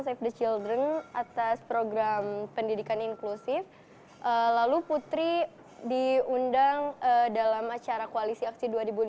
safe the children atas program pendidikan inklusif lalu putri diundang dalam acara koalisi aksi dua ribu enam belas